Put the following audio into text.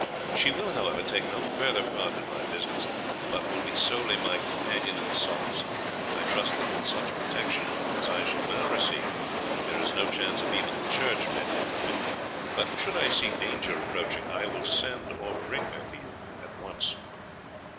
She will, however, take no further part in my business, but will be solely my companion and solace. I trust that with such protection as I shall now receive there is no chance of even the Church meddling with me, but should I see danger approaching I will send or bring her to you at once."